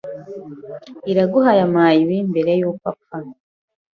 Iraguha yampaye ibi mbere yuko apfa.